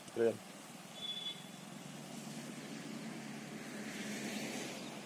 La producción textil se convirtió en la principal actividad industrial.